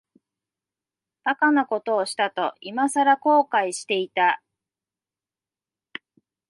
馬鹿なことをしたと、いまさら後悔していた。